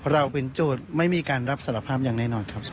เราเป็นโจทย์ไม่มีการรับสารภาพอย่างแน่นอนครับ